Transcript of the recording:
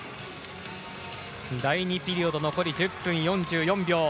第２ピリオド残り１０分４４秒。